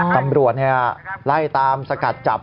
ตำรวจไล่ตามสกัดจับ